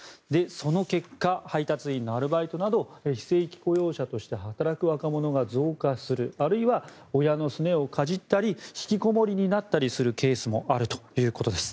その結果配達員のアルバイトなど非正規雇用者として働く若者が増加するあるいは親のすねをかじったり引きこもりになったりするケースもあるということです。